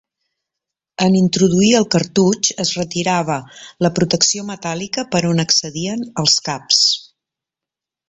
En introduir el cartutx es retirava la protecció metàl·lica per on accedien els caps.